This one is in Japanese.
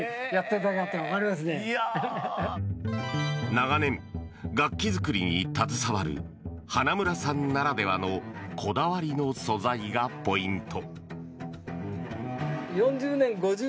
長年、楽器作りに携わる花村さんならではのこだわりの素材がポイント。